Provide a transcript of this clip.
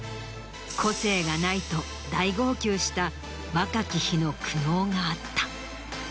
「個性がない」と大号泣した若き日の苦悩があった。